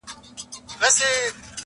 • چي راسره وه لکه غر درانه درانه ملګري,